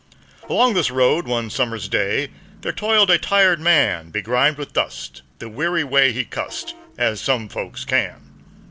Along this road one summer's day, There toiled a tired man, Begrimed with dust, the weary way He cussed, as some folks can.